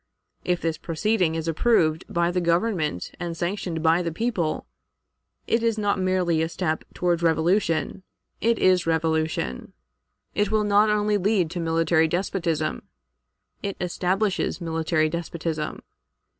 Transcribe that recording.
If this proceeding is approved by the Government and sanctioned by the people, it is not merely a step toward revolution, it is revolution; it will not only lead to military despotism, it establishes military despotism.